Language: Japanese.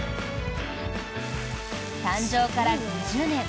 誕生から５０年。